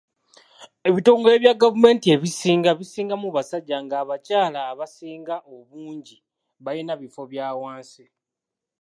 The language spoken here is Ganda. Ebitongole bya gavumenti ebisinga bisingamu basajja ng'abakyala abasinga obungi balina bifo bya wansi.